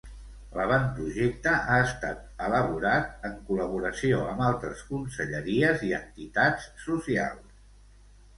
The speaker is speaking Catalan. L'avantprojecte ha estat elaborat en col·laboració amb altres conselleries i entitats socials.